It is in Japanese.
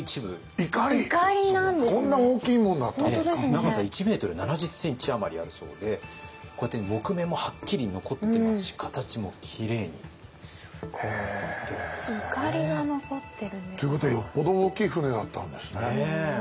長さ１ｍ７０ｃｍ余りあるそうでこうやって木目もはっきり残ってますし形もきれいに残ってるんですよね。ということはよっぽど大きい船だったんですね。